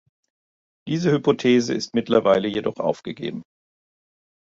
Diese Hypothese ist mittlerweile jedoch aufgegeben.